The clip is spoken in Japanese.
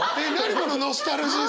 このノスタルジー。